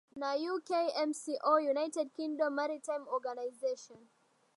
na ukmco united kingdom maritime organisation